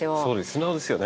素直ですよね。